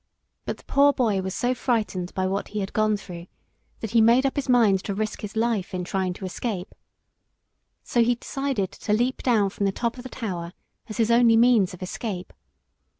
But the poor boy was so frightened by what he had gone through that he made up his mind to risk his life in trying to escape. So he decided to leap down from the top of the tower as his only means of escape.